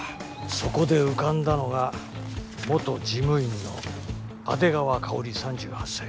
そこで浮かんだのが元事務員の阿出川香里３８歳。